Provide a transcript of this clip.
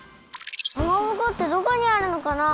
かまぼこってどこにあるのかな。